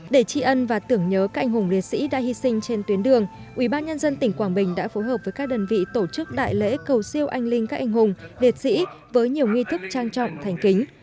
để tri ân và tưởng nhớ các anh hùng liệt sĩ đã hy sinh trên tuyến đường ubnd tỉnh quảng bình đã phối hợp với các đơn vị tổ chức đại lễ cầu siêu anh linh các anh hùng liệt sĩ với nhiều nghi thức trang trọng thành kính